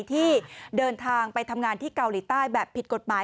ที่เดินทางไปทำงานที่เกาหลีใต้แบบผิดกฎหมาย